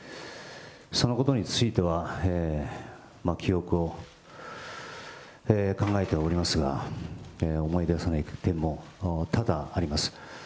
そのことについては、記憶を、考えてはおりますが、思い出さない点も多々あります。